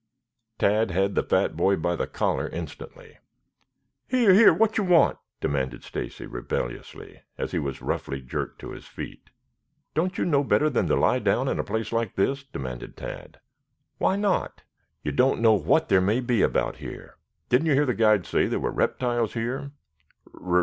Tad had the fat boy by the collar instantly. "Here, here! Whatcher want?" demanded Stacy rebelliously as he was roughly jerked to his feet. "Don't you know better than to lie down in a place like this?" demanded Tad. "Why not?" "You don't know what there may be about here. Didn't you hear the guide say there were reptiles here?"